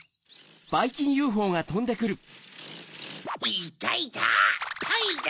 いたいた！